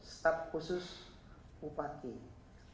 staf khusus bupati kudus